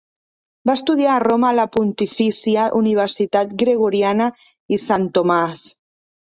Va estudiar a Roma a la Pontifícia Universitat Gregoriana i Sant Tomàs.